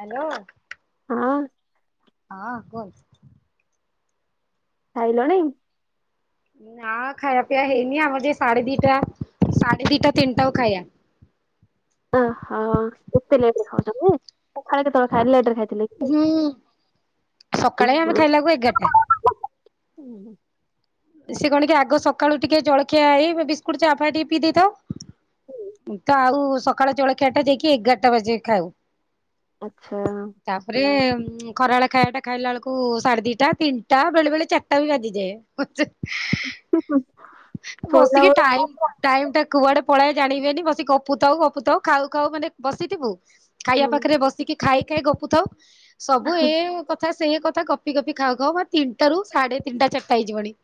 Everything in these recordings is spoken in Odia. ହାଲୋ। ହଁ। ହଁ କୁହ? ଖାଇଲଣି? ନା ଖାଇବା ପିଇବା ହେଇନି ଆମର ଯେ ସାଢେ ଦିଟା ସାଢେ ଦିଟା ତିନିଟାକୁ ଖାଇବା। ଓହୋ ଏତେ ଲେଟ୍ ରେ ଖାଉଚନ୍ତି? ସଖାଳେ କେତବେଳେ ଖାଇ ଲେଟରେ ଖାଇଥିଲେ କି? ହୁଁ ଉଁ ସକାଳେ ଆମେ ହୁଁ। ଖାଇଲାକୁ ଏଗାରଟା। ହୁଁ ହୁଁ। ସେ କଣ କି ଆଗ ସ କାଳୁ ଟିକେ ଜଳଖିଆ ହେଇ ବିସ୍କୁଟ ଚାଫା ଟିକ ପିଇ ଦେଇଥାଉ ତ ଆଉ ସକାଳ ଜଳଖିଆ ଟା ଯାଇକି ଏଗାରଟା ବଜେ ଖାଉ। ଆଚ୍ଛା। ହୁ ଖରାବେଳେ ଖାଇବା ଖାଇଲା ବେଳକୁ ସାଢେ ଦିଟା ତିନିଟା ବେଳେ ବେଳେ ଚାରିଟା ବି ବାଜିଯାଏ। ପ ଚା ଶୋଇଲା ବସିକି ବେଳେ ଟାଇମ୍ ଟାଇମ୍ ଟା କୁଆଡେ ପଳେଏ ଜାଣିହୁଏନି ବସି ଗପୁ ଥାଉ ଗପୁ ଥାଉ ଖାଉ ଖାଉ ମାନେ ବସିଥିବୁ। ଖାଇବା ହୁଁ ପାଖରେ ବସିକି ଖାଇ ଖାଇ ଗପୁଥାଉ। ସବୁ ଏଇ କଥା। ସେଇ କଥା ଗପି ଗପି ଖାଉ ଖାଉ ବା ତିନିଟାରୁୁ ସାଢେ ତିନିଟା ଚାରିଟା ହେଇଯିବଣି।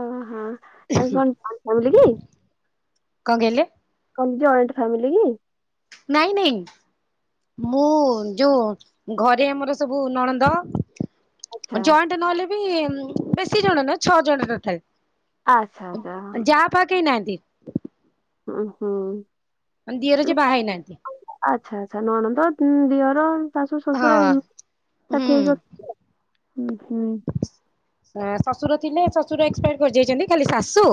ଓହୋ ଆଉ କଣ କହିଲିକି କଣ କଇଲେ? ଜଏଣ୍ଟ ଫ୍ୟାମିଲି କି? ନାଇଁ ନାଇଁ ମୁଁ ଯୋଉ ଘରେ ଆମର ସବୁ ନଣନ୍ଦ ଆଚ୍ଛା ଜଏଣ୍ଟ ନହେଲେ ବେଶୀ ଜଣ ନୁହେଁ ଛଅ ଜଣ ତଥାପି। ଆଚ୍ଛା ଆଚ୍ଛା ହଁ। କେହି ନାହାନ୍ତି? ଉଁ ହୁଁ। ମାନେ ଦିଅର ଯିଏ ବାହା ହେଇନାହାନ୍ତି। [inaudible] ଆଚ୍ଛା ଆଚ୍ଛା ନଣନ୍ଦ ତୁ ଦିଅର ଶାଶୁ ଶ୍ୱଶୁର ହଁ ଏମତି ତ ହୁଁ ଠିକ୍ ଅଛନ୍ତି। ଉଁ ହୁଁ। ଶ୍ୱଶୁର ଥିଲେ ଶ୍ୱଶୁର ଏକ୍ସପାଡ କରି ଯାଇଛନ୍ତି। ଖାଲି ଶାଶୁ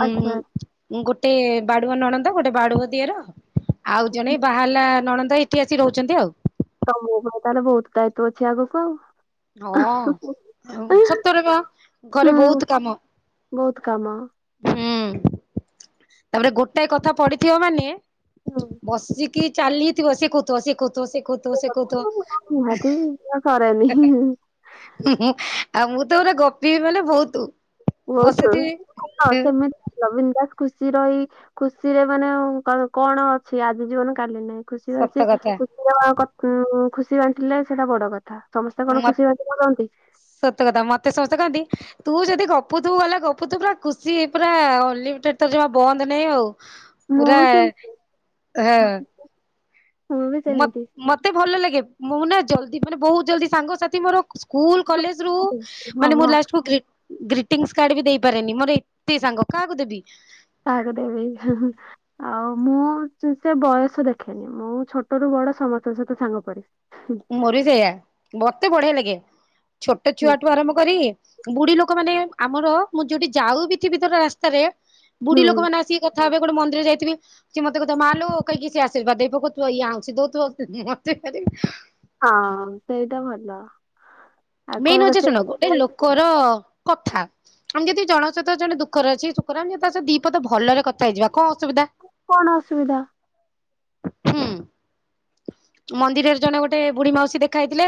ହୁଁ ମୁଁ ଆଚ୍ଛା ଗୋଟ୍ ଗୋଟେ ବାଡୁଅ ନଣନ୍ଦ ଗୋଟେ ବାଡୁଅ ଦିଅର? ଆଉ ଜଣେ ବାହାହେଲା ନଣନ୍ ଏଇଠି ଆସି ରହୁଛନ୍ତି ଆଉ। ତମ ତାହେଲେ ବହୁତ ଦାୟିତ୍ଵ ଅଛି ଆଗକୁ ଆଉ। ହଁ ସତରେ ବା ଘରେ ହୁଁ ବହୁତ କାମ ବହୁତ କାମ [inaudible] ହୁଁ। [inaudible] ତାପରେ ଗୋଟାଏ କଥା ପଢିଥିବ ମାନେ ହୁଁ। ବସିକ୍ କି ଚାଲି ଥିବ ସିଏ କହୁଥିବ ସିଏ କହୁଥିବ ସିଏ କହୁଥିବ ସିଏ ନିହାତି କହୁଥିବ। ସରେନି [inaudible] ହୁଁ ହୁଁ। ଆଉ ମୁଁ ତ ପୁରା ଗପିବି ମାନେ ବହୁତ। ଦେଖେ ହଁ ବସିଥିବି ସେମିତି ଥିଲା ବୀନଦାସ। ଖୁସି ରହି ଖୁସି ରେ ମାନେ କଣ ଅଛି ଆଜି ଜୀବନ କାଲି ନାଇଁ। ଖୁସି ସତ ବାସି କଥା ଖୁସି [unintelligible] [unintelligible] ସେଟା ବଡ କଥା। ସମସ୍ତେ କଣ ମ ଖୁସି ବାଣ୍ଟି ପାରନ୍ତି [inaudible] ସତ କଥା ମତେ ସମସ୍ତେ କାହନ୍ତି? ତୁ ଯଦି ଗପୁ ଥୁବୁ ଗଲା ଗପୁ ଥିବୁ ପୁରା ଖୁସି ପୁରା ଅନଲିମିଟେଡ ବନ୍ଦ ନାଇଁ ଆଉ। ମୁଁ ପୁରା ବି ସେ ହଁ। ମୁଁ ବି ମତ ସେମିତି ମତେ ଭଲ ଲାଗେ। ମୁଁ ନା ଜଲଦି ମାନେ ବହୁତ ଜଲଦି ସାଙ୍ଗସାଥି ମୋର ସ୍କୁଲ କଲେଜ ରୁ ହଁ ମାନେ ମୁ ହଁ ଲାଷ୍ଟକୁ ଗ୍ରି ଗ୍ରୀିଟିଂ କାର୍ଡ ବି ଦେଇପାରେନି। ମୋର ଏତେ ସାଙ୍ଗ କାହାକୁ ଦେବି? କାହାକୁ ଦେବି ଆଉ ମୁଁ ସେ ବୟସ ଦେଖେନି। ମୁଁ ଛୋଟ ରୁ ବଡ ସମସ୍ତଙ୍କ ସହିତ ସାଙ୍ଗ ପରି। ମୋରବି ସେୟା ବ ତେ ବଢ଼ୀଆ ଲାଗେ ଛୋଟ ହୁଁ ଛୁଆଠୁ ଆରମ୍ଭ କରି ବୁଢ଼ୀ ଲୋକ ମାନେ, ଆମର ମୁଁ ଯଉଠି ଯାଉ ବି ଥିବିର ରାସ୍ତାରେ ହୁଁ ବୁଢ଼ୀ ଲୋକମାନେ ଆସିକି କଥା ହେବେ। ଗୋଟେ ମନ୍ଦିର ଯାଇଥିବି, ସି ମତେ କହୁିବ ମାଲୋ କହିହିକି ସିଏ ଆଶୀର୍ଦ ଦେଇ ପକଉଥିବ, ଇଏ ଆଉଁସି ଦଉଥିବ, ମତେଭାରୀ ହଁ, ସେଇଟା ଭଲ। ଆଉ ମେନ୍ କଣ ହଉଛ ରୋଷେଇ ଶୁଣ, ଗୋଟେ ଲୋକର କଥା, ଆମେ ଯଦି ଜଣକ ସହିତ ଜଣେ ଦୁଃଖରେ ଅଛି, ସୁଖର ତା ସ ଦିପଦ ଭଲରେ କଥା ହେଇଯିବା କଣ ଅସୁବିଧା କଣ ଅସୁବିଧା? ହୁଁ, ମନ୍ଦିରରେ ଜଣେ ଗୋଟେ ବୁଢ଼ୀ ମାଉସୀ ଦେଖା ହେଇଥିଲେ,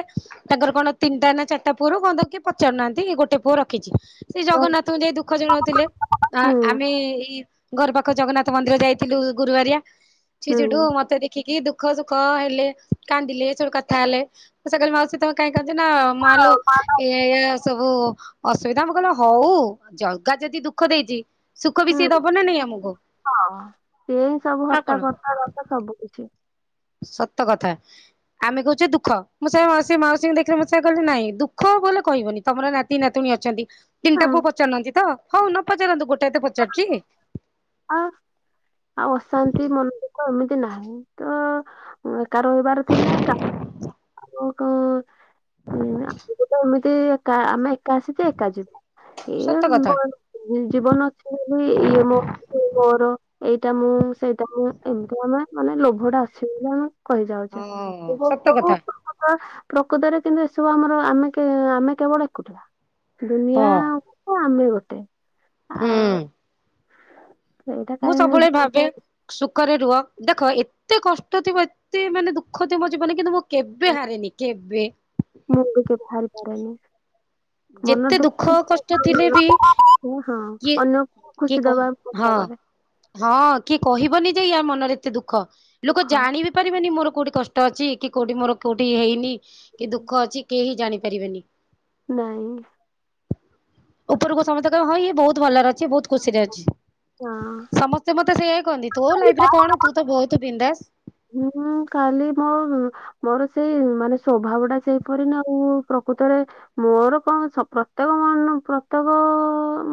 ତାଙ୍କର କଣ ତିନିଟା ନା ଚାରଟା ପୁଅରୁ [unintelligible] ପଚାରୁନାହାନ୍ତି, ଗୋଟେ ପୁଅ ରଖିଛି। ସେଇ ଜଗନ୍ନାଥଙ୍କୁ ଯାଇ ଦୁଃଖ ଜଣଉଥିଲେ, ହୁଁ ଆମେ ଏଇ ଘର ପାଖ ଜଗନ୍ନାଥ ମନ୍ଦିର ଯାଇଥିଲୁ, ଗୁରୁବାରିଆ। ହୁଁ [unintelligible] ମତେ ଦେଖିକି ଦୁଃ ଦଖ ସୁଖ ହେଲେ, କାନ୍ଦିଲେ, ଏ ସବୁ କଥା ହେଲେ, ସେକହିଲେ ମାଉସୀ ତମେ କାଇଁ କାନ୍ଦୁଚନା? ମାଲୋ ଆଉ ପାନ, ଏୟା ଏୟା ସବୁ ଓ ଅସୁବିଧା, ମୁଁ କହିଲ ହଉ ଜଗା ଯଦି ଦୁଃଖ ଦେଇଛି ସୁଖ ବି ସିଏ ହୁଁ, ଦବ ନା ନାଇଁ ଆମକୁ ହଁ, ସେ ହିଁ ସବୁ ଆଉ ହର୍ତା, କଣ କତ୍ତା, ଦାତା ସବୁ କିଛି। ସତ କଥା, ଆମେ କହୁଛେ ଦୁଃଖ, ମୁଁ ସେ ମାଉସୀ ମାଉସୀଙ୍କୁ ଦେଖିଲେ, ମୁଁ ସେ କହିଲି ନାହିଁ ଦୁଃଖ ବୋଲେ କହିବନି, ତମର ନାତି ନାତୁଣୀ ଅଛନ୍ତି। ତିନଟା ପୁଅ ପଚାରୁହାନ୍ତି ତ? ହଉ ନ ପଚାରନ୍ତୁ, ଗୋ ଆଉ, ଆଉ ଅଶାନ୍ତି ମନ ଦୁଃଖ, ଏମିତି ନାହିଁ ତ। [unintelligible] କାର ରଇବାର ଥିଲା କା ଆଉ କୁ ଉ ଆମକୁ ତ ଏମିତି ଏକା ଆମେ ଏକା ଆସିଛେ ଏକା ଯିବା ଏଇ ସତ କଥା ଆମ୍ବ ଜୀବନ ଅଛି। କି ଇଏ ମୋ [inaudible] ଏଇଟା ମୁଁ ସେଇଟା ମୁଁ ଏମିତି ଆମେ ମାନେ ଲୋଭ ଟା ଆସିବ ଆମେ କହିଯାଉଛେ ହଁ ଏବଂ ସତ ସବୁ କଥା [inaudible] ପ୍ରକୃତରେ କିନ୍ତୁ ଏସବୁ ଆମର ଆମେ କେ ଆମେ କେବଳ ଏକୁଟିଆ। ଦୁନିଆ ହଁ ଆମେ ଆମେ ଗୋ ଗୋଟେ ହୁଁ। ଆଉ ସେଇଟା ମୁଁ କାହିଁ ସବୁବେଳେ ଜାଣିନି ଭାବେ ସୁ ଘରେ ରୁହ ଦେଖ ଏତେ କଷ୍ଟ ଥିବ ଏତେ ମାନେ ଦୁଃଖ ଥିବ ଜୀବନରେ କି ତୁମ କେବେ ହାରନି କେବେ ମୁାଲ କରାନି ମନ ଯେତେ ଦୁଃଖ କଷ୍ଟ ଥିଲେ ବି [inaudible] ହଁ କିଏ ଅନ୍ୟକୁ କିଏ ଖୁସି କହୁ ଦବା ଚେଷ୍ଟା ହଁ କରେ। ଇଆ ମନରେ ଏତେ ଦୁଃ ଖ ଲୋକ ଦୁଃଖ ଜାଣିିବି ପାରିବେନି ମୋର ଖ କୋଉଠି କଷ୍ଟ ଅଛି କି କୋଉଠି ମୋର କୋଉଠି ହେଇନି କି ଦୁଃଖ ଅଛି କେହି ଜାଣି ପାରିବେନି। ନାଇଁ। ଉପରକୁ ସମସ୍ତେ କହିବେ ହଁ ଇଏ ବହୁତ ଭଲରେ ଅଛି। ଯେ ବହୁତ ଖୁସିରେ ଅଛି ହଁ ସମସ୍ତେ ମତେ ସେଇ କହନ୍ତି। ତୋ ଲାଇଫ୍‌ରେ କଣ ତୁ ତ ବହୁତ ବିନ୍ଦାସ। ହୁଁ କାଲି ମୋ ମୋର ସେଇ ମାନେ ସ୍ୱଭାବ ଟା ସେଇପରି ନା ଆଉ ପ୍ରକୃତରେ ମୋର କଣ ସ ପ୍ରତ୍ୟେକ ମ ପ୍ରତ୍ୟେକ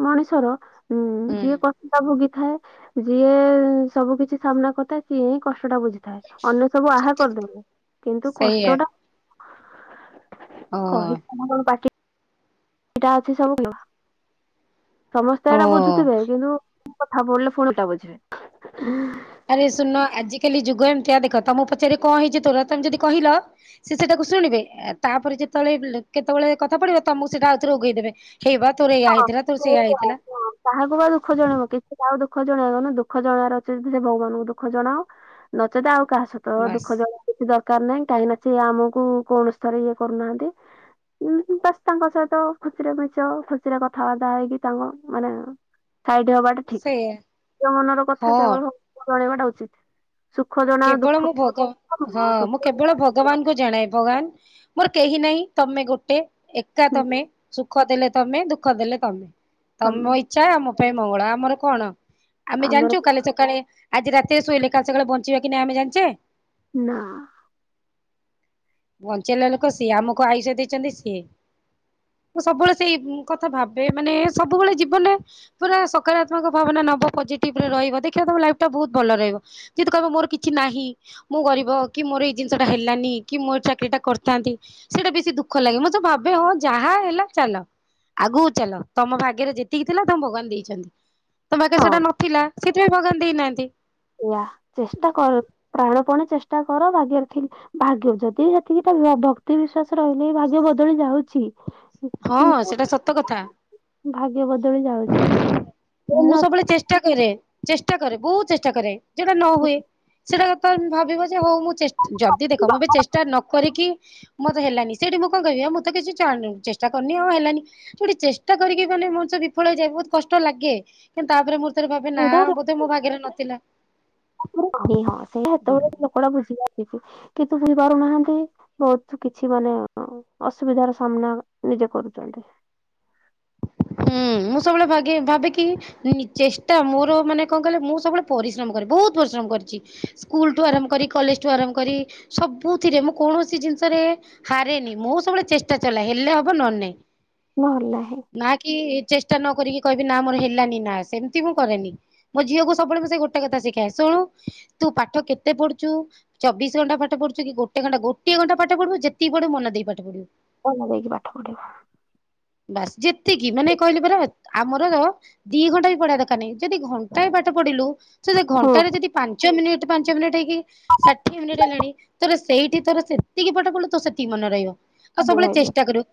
ମଣିଷର ହୁଁ ଯିଏ କଥା କୁ ବି ଥାଏ ଯିଏ ସବୁ କିଛି ସାମ୍ନା କଥାଏ ସିଏ ହିଁ କଷ୍ଟଟା ବୁଝେ। ଥାଏ ଅନ୍ୟ ସବୁ ଆହା ସତ କଥା କରିଦେବେ କିନ୍ତୁ ସେଇଆ କଷ୍ଟ ଟା ହଁ କହି କମ୍ ବାକି ଏଟା ଅଛି ସବୁ [unintelligible] ସମସ୍ତେ ଓ ଏଇଟା ବୁଝୁଥିବେ କିନ୍ତୁ କଥା ପଡ଼ିଲେ ପୁଣି ଟା ବୁଝିବେ। ଆରେ ଶୁନ ଆଜିକାଲି ଯୁଗ ଏମିତିଆ ଦେଖ ତମ ପଚାରି କଣ ହେଇଛି ତୋର ତମେ ଯଦି କହିଲ ସେଟାକୁ ଶୁଣିବେ ତାପରେ ଯେତେବେଳେ କେତେବେଳେ କଥା ପଡିବ ତମକୁ ସେଟା ଆଉଥରେ ଉଘେଇଦେବେ। ହେଇ ବା ତୋରେଇା ହଁ, ହେଇଥିଲା ତୋର ସେଇୟ ସେଇଆ, ହେଇଥିଲା। ହଁ, କାହାକୁ ବା ଦୁଃଖ ଜଣେଇବ ନା ଦୁଃଖ ଜଣିବାର ଅଛି ସେ ଭଗବାନଙ୍କୁ ଦୁଖ ଜଣାଅ ନଚେତ ଆଉ କାସ ବାସ୍ ଦୁଃଖ ଜଣେଇବା ଦରକାର ନାହିଁ କାହିଁକି ନା ସେ ଆମକୁ କୌଣସି ଥର ଇଏ କରୁନାହାନ୍ତି ବାସ୍ ତାଙ୍କ ସହିତ ଖୁଚୁରା ମିଚ ଖ ସେଟା କଥାବାର୍ତ୍ତା ହେଇକି ତାଙ୍କ ମାନେ ସାଇଡ ହବାଟା ଠିକ ସେଇଆ ନିଜ ମନର କଥା ହଁ କେବଳ ଚଳେଇବାଟ ଉଚିତ। ସୁଖ ଜଣା କେବଳ ଦୁଃଖ ମୁଁ ଜଣାଅ, ଭଗାନ ହଁ ମୁଁ ସୁଖ କେବଳ ଦୁଃଖ ଜଣାଅ। ଭଗବାନଙ୍କୁ ଜଣାଏ ଭଗବାନ ମୋର କେହି ନାହିଁ ତମେ ଗୋଟେ। ଏକା ତମେ ହୁଁ ସୁଖ ଦେଲେ ତମେ ଦୁଃଖ ଦେଲେ ତମେ। ତମ ତମେ ଇଚ୍ଛା ଆମ ପାଇଁ ମଙ୍ଗଳା ଆମର କଣ? ଆମେ ଆମର ଜାଣିଛୁ କାଲି ସକାଳେ ଆଜି ରାତିରେ ସୋଇଲେ କାଲି ସକାଳେ ବଞ୍ଚି ଯିବା କି ନାହି ଆମେ ଜାଣିଛେ। ନା। ବଞ୍ଚେଇଲା ଲୋକ ସିଏ ଆମକୁ ଆୟୁଷ ଦେଇଛନ୍ତି ସିଏ ମୁ ସବୁବେଳେ ସେଇ କଥା ଭାବେ ମାନେ ସବୁବେଳେ ଜୀବନରେ ପୁରା ସକାରାତ୍ମକ ଭାବନା ନବ ପଜିଟିଭରେ ରହିବ ଦେଖିବା ତମ ଲାଇଫ ଟା ବହୁତ ଭଲ ରହିବ ଯେତୁ କହିବ ମୋର କିଛି ନାହିଁ ମୁଁ ଗରିବ କି ମୋର ଏଇ ଜିନିଷଟା ହେଲାନି କି ମୋ ଏ ଚାକିରି ଟା କରିଥାନ୍ତି ସେଇଟା ବେଶୀ ଦୁଃଖ ଲାଗେ ମୁଁତ ଭାବେ ହଁ ଯାହା ହେଲା ଚାଲ ଆଗକୁ ଚାଲ ତମ ଭାଗ୍ୟରେ ଯେତିକି ଥିଲା ତମ ଭଗବାନ ଦେଇଛନ୍ତି। ତମ ହଁ। ଭାଗ୍ୟେସେଟା ନଥିଲା। ସେଥିପାଇଁ ଭଗବାନ ଦେଇନାହାନ୍ତି। ଇୟା ଚେଷ୍ଟା କରୁ ପ୍ରାଣ ଚେଷ୍ଟା କର ଭାଗ୍ୟରେ ଥିଲେ ଭାଗ୍ୟ ଯଦି ସେତିକି ଭକ୍ତି ବିଶ୍ଵାସ ରହିଲେ ଭାଗ୍ୟ ବଦଳି ଯାଉଛି ହଁ କିନ୍ତୁ ସେଟା ସତ କଥା। ଭାଗ୍ୟ ବଦଳି ଯାଉଛି। ସେ ମୁଁ ସବୁବେଳେ ଚେଷ୍ଟା କରେ ଚେଷ୍ଟା କରେ ବହୁତ ଚେଷ୍ଟା କରେ ଯଉଟା ନ ହୁଏ ସେଟା କାଇଁ ଭାବିବା? ହଉ ମୁଁ ଚେଷ୍ଟା ଯଦି ଦେଖ ମୁ ଏବେ ଚେଷ୍ଟା ନ କରିକି ମତେ ହେଲାନି ସେଇଠି ମୁଁ କଣ କିବିଉ ମୁଁ ତ କିଛି ଚେଷ୍ଟା କରୁନି ଆଉ ହେଲାନି ଯୋଠି ଚେଷ୍ଟା କରିକି ଗୋଲେ ମଣି ବିଫଳ ହେଇଯାଏ ବହୁତ କଷ୍ଟ ଲାଗେ କିନ୍ତୁ ତାପରେ ମୁଁ ଭାବେ ନା ନଥିବ ତ ବୋଧେ ମୋ ଭାଗ୍ୟରେ ନଥିଲା। ହଁ ସେ ସେତେବେଳେ ଲୋକଟା ବୁଝିପାରିବ [unintelligible] କିନ୍ତୁ ବୁଝିପାରୁନାହାନ୍ତି ବହୁତ କିଛି ମାନେ ଅସୁବିଧାର ସାମ୍ନା ନିଜେ କରୁଛନ୍ତି। ହୁଁ ମୁଁ ସବୁବେଳେ ଭ ଭାବିକି ଚେଷ୍ଟା ମୋର ମାନେ କଣ କହିଲେ ମୁଁ ସବୁବେଳେ ପରିଶ୍ରମ କରେ ବହୁତ ପରିଶ୍ରମ କରିଛି ସ୍କୁଲଠୁ ଆରମ୍ଭ କରି କଲେଜଠୁ ଆରମ୍ଭ କରି ସବୁଥିରେ ମୁଁ କୌଣସି ଜିନିଷରେ ହାରେନି ମୁଁ ସବୁବେଳେ ଚେଷ୍ଟା ଚଲାଏ ହେଲେ ହବ ନହେଲେ ନାହିଁ। ନ ହେଲେ ନା ହ୍ନି। ଚେଷ୍ଟା ନକ କରିକି କହିବି ନା ମୋର ହେଲାନି ନା ସେମିତି ମୁଁ କରେନି ମୋ ଝିଅକୁ ସବୁବେଳେ ମୁଁ ସେ ଗୋଟେ କଥା ଶିଖାଏ ଶୁଣୁ ତୁ ପାଠ କେତେ ପଢୁଛୁ ଚବିଶ ଘଣ୍ଟା ପାଠ ପଢୁଛୁ କି ଗୋଟେ ଘଣ୍ଟା ଗୋଟଏ ଘଣ୍ଟା ପାଠ ପଢୁ ଯେତିକି ପଢୁ ମନ ଦେଇକି ପାଠ ପଢିବୁ। ମନ ଦେଇକି ପାଠ ପଢିବା। ବାସ୍ ଜିତ ଏତିକି ମାନେ କହିଲେ ପରା ଆମର ଦି ଘଣ୍ଟା ବି ପଡି଼ବା ଦରକାର ନାହିଁ ଯଦି ଦି ଘଣ୍ଟା ବି ବାଟ ପଢି଼ଲୁ ସେ ହୁଁ ଘଣ୍ଟାରେ ଯଦି ପାଞ୍ଚ ମିନିଟ ପାଞ୍ଚ ମିନିଟ ହେଇକି ଷାଠିଏ ମିନିଟ୍ ହେଲାଣି ତ ସେଇଠି ତର ସେତିକି ପାଠ ପଢି଼ଲୁ ତ ସେତିକି ମନେ ରହିବ। ଆଉ ହୁଁ ସବୁବେଳେ ହଁ ଚେଷ୍ଟା କରିବ।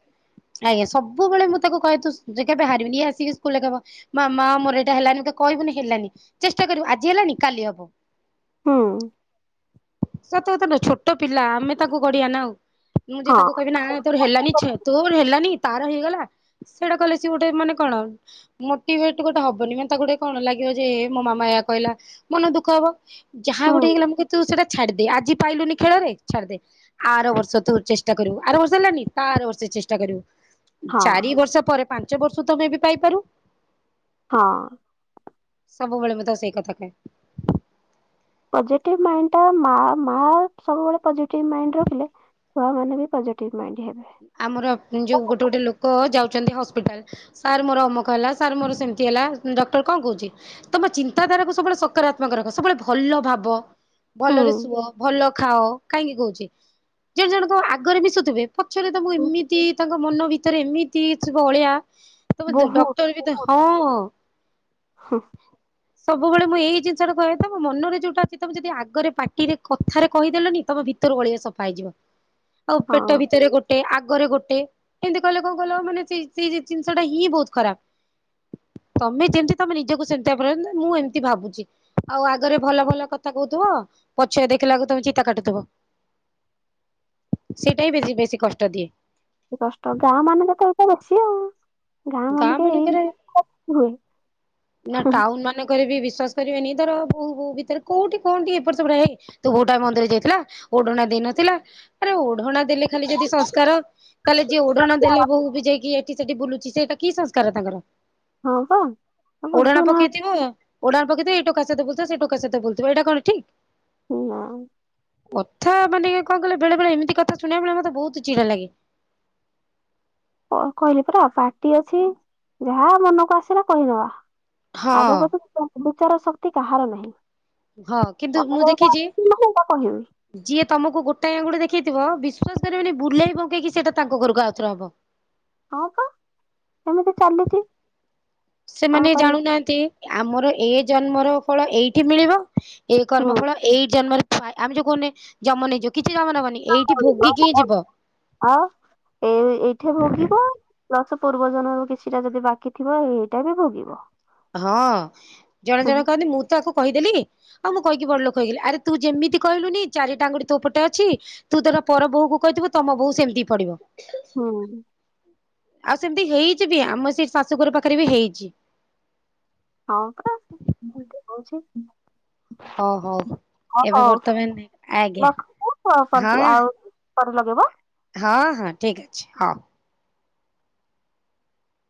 ଆଜ୍ଞା ସବୁବେଳେ ମୁଁ ତାକୁ କହିି କେବେ ହାରିବିନି ଆସିକି ସ୍କୁଲବ ମା ମୋର ଏଇଟା ହେଲାନିେ କହିବୁନି ହେଲାନି ଚେଷ୍ଟା କରିବୁ ଆଜି ହେଲାନି କାଲି ହବ। ସତ କଥା ନୁହେକି। ଛୋଟ ପିଲା ଆମେ ତାକୁ ଗଢ଼ିବା ନା ଆଉ। ମୁଁ ଯେ ତାକୁ କହିବି ନା ତୋର ହେଲାନି, ତୋର ହେଲାନି ତାର ହେଇଗଲା ସେଇଟା କହିଲେ ସେ ଗୋଟେ ମାନେ କଣ ମୋଟିଭେଟ ଗୋଟେ ହବନି ମାନେ ତାକୁ ଗୋଟେ କଣ ଲାଗିବ ଯେ ମୋ ମାମା କହିଲା, ମନ ଦୁଃଖ ହବ। ଯାହା ଗୋଟେ ହୁଁ ହେଇଗଲା ମୁଁ କହିବି ତୁ ସେଟା ଛାଡିଦେ ଆଜି ପାଇଲୁନି ଖେଳରେ ଛାଡିଦେ, ଆର ବର୍ଷ ତୁ ଚେଷ୍ଟା କରିବୁ ଆର ବର୍ଷ ହେଲାନି, ତା ଆର ବର୍ଷ ଚେଷ୍ଟା କରିବୁ। ହଁ। ଚାରି ବର୍ଷ ପରେ ପାଞ୍ଚ ବର୍ଷ ତମେ ଏ ବି ପାଇପାରୁ। ହଁ ସବୁବେଳେ ମୁଁ ତାକୁ ସେଇ କଥା କହେ। ପଜିଟିଭ ମାଇଣ୍ଡ ଟା ମା ମା ସବୁବେଳେ ପଜିଟିଭ ମାଇଣ୍ଡ ରଖିଲେ, ଛୁଆ ମାନେ ବି ପଜିଟିଭ। ମାଇଣ୍ଡ ହେବେ ଆମର ଯୋଉ ଗୋଟେ ଗୋଟେ ଲୋକ ଯାଉ ଯାଉଛନ୍ତି ହସ୍ପିଟାଲଟାଲ ସାର୍ ମୋର ଅମକ ହେଲା ସେ ମୋର ସେମତି ହେଲା ଡକ୍ଟର କଣ କହୁଛି ତମ ଚିନ୍ତାଧାରାକୁ ସବୁବେଳେ ସକାରାତ୍ମକ ରଖ, ସବୁବେଳେ ଭଲ ଭାବ ଭଲରେ ହୁଁ ଶୁଅ, ଭଲ ଖାଅ। କାହିଁକି କହୁଛି ଜଣେ ଜଣଙ୍କ ଆଗରେ ମିଶୁଥିବେ ପଛରେ ତାଙ୍କୁ ଏମିତି ତାଙ୍କ ମନ ଭିତରେ ଏମିତି ଏମିତି ଥିବ ଅଳିଆ। ତମ ବହୁତ ଡକ୍ଟର ଭିତ ବହୁତ ହଁ ହୁଁ, ସବୁବେଳେ ମୁଁ ଏଇ ଜିନିଷଟା କହିବା ତମ ମନରେ ଯୋଉଟା ଅଛି ତମେ ଯଦି ଆଗରେ ପାଟିରେ କଥାରେ କହିଦେଲନି ତମେ ଭିତରୁ ଅଳିଆ ସଫା ହେଇଯିବ। ଆଉ ପେଟ ହଁ ଭି ଗୋଟେ ଆଗରେ ଗୋଟେ ଏମିତି କହିଲେ କଣ କ ମାନେ ସେ ସେଇ ଜିନିଷଟା ହିଁ ବହୁତ ଖରାପ, ତମେ ଯେମିତି ତମେ ନିଜକୁ ସେମିତି ମୁଁ ଏମିତି ଭାବୁଛି ଆଉ ଆଗରେ ଭଲ ଭଲ କଥା କହୁଥିବ, ପଛଆ ଦେଖିଲାକୁ ତମେ ଚିତା କାଟୁଥିବ ସେଇଟା ହ ବେଶୀ ବେ ବେଶି କଷ୍ଟ ଦିଏ। କଷ୍ଟ ଗାଁ ମାନଙ୍କରେ ତ ଏଟା ବେଶୀ ଆଉ। ଗାଁ ମାନଙ୍କରେ, ହୁଏ ନା ହୁଁ, ଟାଉନ ମାନଙ୍କରେ ବି ବିଶ୍ଵାସ କରିବେନି ତରୋ କୋହୁ କୋହୁ ଭିତରେ କୋଉଠି କଅଣ ଟିକେ ଏପଟ ସେପଟ ହେଏ, କି ତୋ ବୋହୂଟା ବନ୍ଦ୍ ହେଇଯାଇଥିଲା। ଓଢଣା ଦେଇନଥିଲା ଆରେ ଓଢଣା ଦେଲେ ଖାଲି ଯଦି ସଂସ୍କାର ତାହେଲେ ଯିଏ ଓଢ଼ଣା ଦେଲେ ବୋହୁ ବି ଯାଇକି ଏ ଏଠି, ସେଠି ବୁଲୁଛି ଯେ ତାକୁ କି ସଂସ୍କାର ତାଙ୍କର? ହଁ ବା ଓଢଣା ବୁଝୁନାହଁ ପକେଇଥିବ ଓଢଣା ପକେଇଥିବ, ଏ ଟୋକା ସହ ବୁଲୁଥିବ ସେ ଟୋକା ସହ ବୁଲୁଥିବ ଏଇଟା କଣ ଠିକ୍? ନା କଥା ମାନେ କଣ କହିଲ ବେଳେ ବେଳେ ଏମିତି କଥା ଶୁଣିବାକୁ ମିଳେ ମତେ ବହୁତ୍ ଚିଡା ଲାଗେ। କଣ କହିଲି ପରା ପାଟି ଅଛି, ଯାହା ମନକୁ ଆସିଲା କହିଦବା। ହଁ ଆଗ ପଛ [unintelligible] ବିଚାର ଶକ୍ତି କାହାର ନାହିଁ। ହଁ କିନ୍ତୁ, ମୁଁ ମନକୁ ଏଇଟା ଦେଖିଛି ଆସିଛି ମାନେ ଏଇଟା କହିବି ଯିଏ ତମକୁ ଗୋଟାଏ ଆଙ୍ଗୁଳି ଦେଖେ ଥିବ ବିଶ୍ୱାସ କରିବେନି ବୁଲେଇ ବଙ୍କେଇ କି ସେଇଟା ତାଙ୍କ ଘରକୁ ଆଉ ଥରେ ହବ। ହଁ ବା ସେମିତି ଚାଲିଛି। କଣ ସେମାନେ କରିବା ଜାଣୁନାହାନ୍ତି ଆମର ଏ ଜନ୍ମର ଫଳ ଏଇଠି ମିଳିବ ଏ କର୍ମ ହୁଁ ଫଳ ଏଇ ଜନ୍ମ ରେ ଆମେ ଜୋ କହୁନେ ଜମ ନେଇଯିବ କିଛି ଯମ ନବନି ଏଇଠି ଭୋଗିକି ହିଁ ଯିବ ଆଉ ଏ ଏଇଠି ଭୋଗିବ ପ୍ଲସ୍ ପୁର୍ବ ଜନ୍ମର କିଛିଟା ଯଦି ବାକି ଥିବ ହେଇଟା ବି ଭୋଗିବ। ହଁ ଜଣେ ହୁଁ ଜଣ କହନ୍ତି ମୁଁ ତ ଆକୁ କହିଦେଲି ଆଉ ମୁଁ କହିକି ବଡ୍ ଲୋକ ହେଇଗଲି ଆରେ ତୁ ଯେମିତି କହିଲୁ ନି ଚାରିଟା ଆଙ୍ଗୁଠି ତୋ ପଟେ ଅଛି। ତୁ ତୋର ପର ବୋହୁକୁ କହିଥିବୁ ତମ ବୋହୁ ସେମିତି ପଡ଼ିବ। ହଁ ଆଉ ସେମିତି ହେଇଛି ବି ଆମ ସେଇ ଶାଶୁଘର ପାଖରେ ବି ହେଇଛି। ହଁ ପା କୋହୁଛି ହଉ ହଉ ଏବେ ହଉ ବର୍ତ୍ତମାନ ଆଜ୍ଞା ରଖ ହଁ ଆଉ ପରେ ଲଗେଇବ। ହଁ ହଁ ଠିକ ଅଛି ହଉ